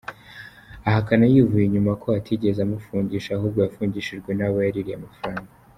Ahakana yivuye inyuma ko atigeze amufungisha, ahubwo yafungishijwe n’abo yaririye amafaranga.